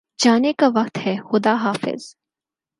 جانے کا وقت ہےخدا حافظ